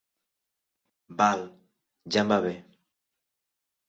Val, ja em va bé.